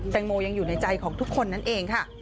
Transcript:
แตงโมยังอยู่ในใจของทุกคนนั่นเองค่ะ